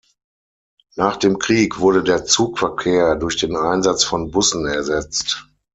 Nach dem Krieg wurde der Zugverkehr durch den Einsatz von Bussen ersetzt.